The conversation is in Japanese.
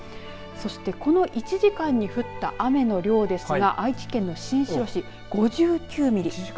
そして、この１時間に降った雨の量ですが愛知県の新城市５９ミリ。